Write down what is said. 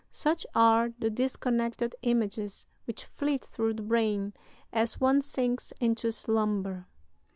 Such are the disconnected images which flit through the brain as one sinks into slumber.